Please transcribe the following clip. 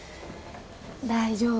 大丈夫。